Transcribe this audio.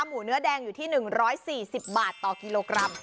หมูเนื้อแดงอยู่ที่๑๔๐บาทต่อกิโลกรัม